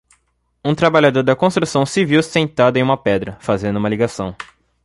um trabalhador da construção civil sentado em uma pedra, fazendo uma ligação.